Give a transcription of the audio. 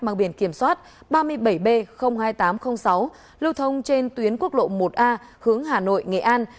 mang biển kiểm soát ba mươi bảy b hai nghìn tám trăm linh sáu lưu thông trên tuyến quốc lộ một a hướng hà nội nghệ an